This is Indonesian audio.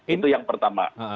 itu yang pertama